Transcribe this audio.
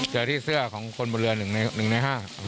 เจอที่เสื้อของคนบนเรือ๑ใน๑ใน๕